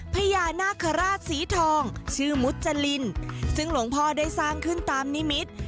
พญานาคาราชสีทองชื่อมุจรินซึ่งหลวงพ่อได้สร้างขึ้นตามนิมิตร